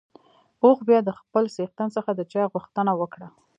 اوښ بيا د خپل څښتن څخه د چای غوښتنه وکړه.